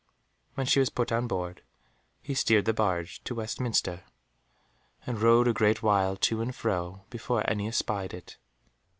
When she was put on board, he steered the barge to Westminster and rowed a great while to and fro, before any espied it.